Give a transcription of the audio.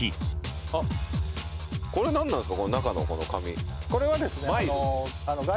あっ、これ、何なんですか？